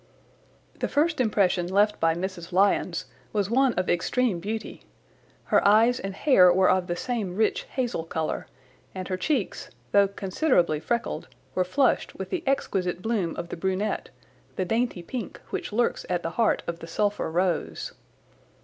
The first impression left by Mrs. Lyons was one of extreme beauty. Her eyes and hair were of the same rich hazel colour, and her cheeks, though considerably freckled, were flushed with the exquisite bloom of the brunette, the dainty pink which lurks at the heart of the sulphur rose.